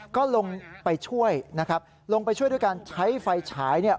ก็ลงไปช่วยนะครับลงไปช่วยด้วยการใช้ไฟฉายเนี่ย